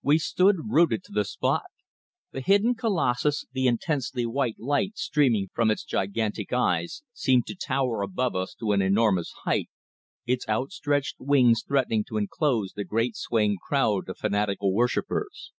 WE stood rooted to the spot. The hideous colossus, the intensely white light streaming from its gigantic eyes, seemed to tower above us to an enormous height, its outstretched wings threatening to enclose the great swaying crowd of fanatical worshippers.